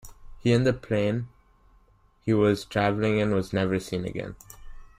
He and the plane he was travelling in was never seen again.